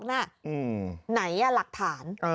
ไหนหลักฐาน